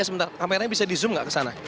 oke sebentar kameranya bisa di zoom gak ke sana